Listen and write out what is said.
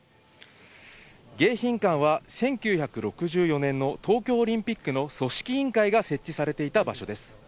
迎賓館は１９６４年の東京オリンピックの組織委員会が設置されていた場所です。